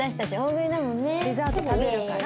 デザート食べるから？